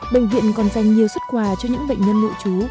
bệnh viện còn dành nhiều xuất quà cho những bệnh nhân nội chú